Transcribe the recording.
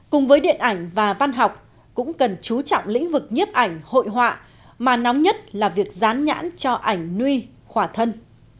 cùng với điện ảnh và văn học cũng cần chú trọng lĩnh vực nhiếp ảnh hội họa mà nóng nhất là việc dán nhãn cho ảnh nuôi khỏa thân